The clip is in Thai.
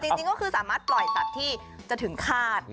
จริงก็คือสามารถปล่อยสัตว์ที่จะถึงคาด